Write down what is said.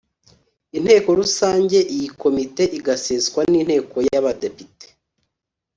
Inteko Rusange Iyi Komite igaseswa ninteko yaba depite